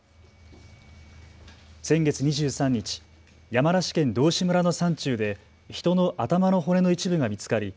先月２３日、山梨県道志村の山中で人の頭の骨の一部が見つかり